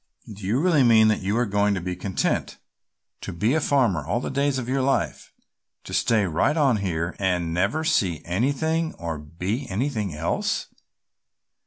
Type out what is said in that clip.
"Do you really mean that you are going to be content to be a farmer all the days of your life, to stay right on here and never see anything or be anything else?